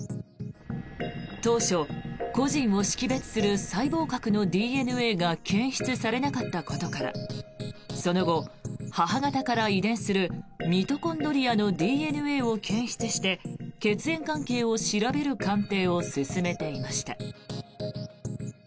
当初、個人を識別する細胞核のＤＮＡが検出されなかったことからその後、母方から遺伝するミトコンドリアのＤＮＡを検出して血縁関係を調べる鑑定を進めていました。